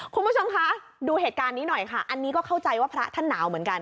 คุณผู้ชมคะดูเหตุการณ์นี้หน่อยค่ะอันนี้ก็เข้าใจว่าพระท่านหนาวเหมือนกัน